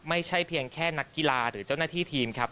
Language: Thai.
ไม่ใช่เพียงแค่นักกีฬาหรือเจ้าหน้าที่ทีมครับ